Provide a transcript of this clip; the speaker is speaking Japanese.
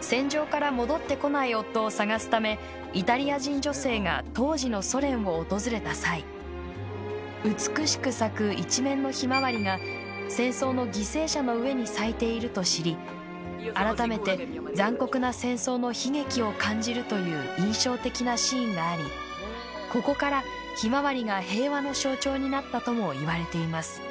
戦場から戻ってこない夫を捜すため、イタリア人女性が当時のソ連を訪れた際美しく咲く、一面のひまわりが戦争の犠牲者の上に咲いていると知り、改めて残酷な戦争の悲劇を感じるという印象的なシーンがありここから、ひまわりが平和の象徴になったともいわれています。